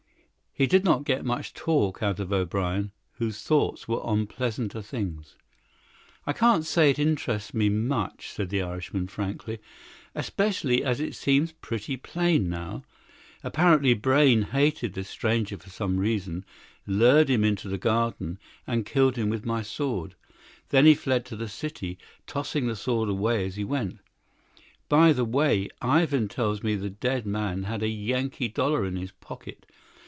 He did not get much talk out of O'Brien, whose thoughts were on pleasanter things. "I can't say it interests me much," said the Irishman frankly, "especially as it seems pretty plain now. Apparently Brayne hated this stranger for some reason; lured him into the garden, and killed him with my sword. Then he fled to the city, tossing the sword away as he went. By the way, Ivan tells me the dead man had a Yankee dollar in his pocket.